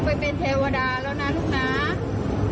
ไปเป็นกำลังใจให้แม่บนสวรรค์นะลูก